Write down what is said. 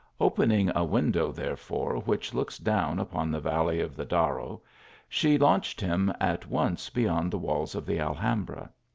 Opening a window, therefore, which looks down upon the valley of the Darro, she launched him at once beyond the walls of the Alhambra.